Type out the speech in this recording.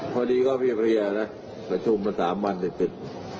พอดีก็เพียบเพลียนะกระทุ่มตั้ง๓วันเลยปิด